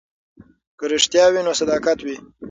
که رښتیا وي نو صداقت وي.